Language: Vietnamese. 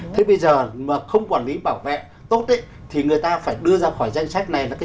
thế bây giờ mà không quản lý bảo vệ tốt thì người ta phải đưa ra khỏi danh sách này là cái